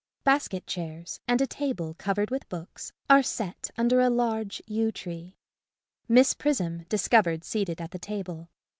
Basket chairs, and a table covered with books, are set under a large yew tree. [Miss Prism discovered seated at the table.